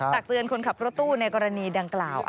ตักเตือนคนขับรถตู้ในกรณีดังกล่าว